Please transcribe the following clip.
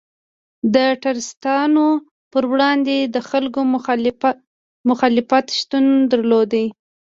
د ټرستانو پر وړاندې د خلکو مخالفت شتون درلود.